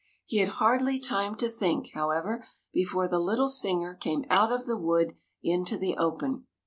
He had hardly time to think, how ever, before the little singer came out of the wood into the open.